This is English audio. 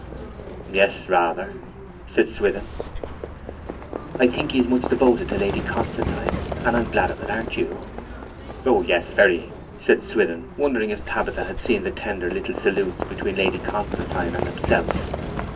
'Yes, rather,' said Swithin. 'I think he is much devoted to Lady Constantine, and I am glad of it. Aren't you?' 'O yes very,' said Swithin, wondering if Tabitha had seen the tender little salutes between Lady Constantine and himself.